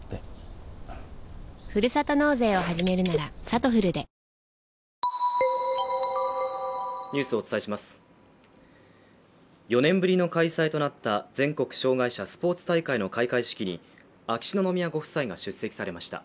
サントリー「ＶＡＲＯＮ」４年ぶりの開催となった全国障害者スポーツ大会の開会式に秋篠宮ご夫妻が出席されました。